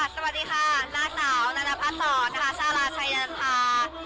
สวัสดีค่ะหน้าสาวนาภาษศรชาลาชายนรภา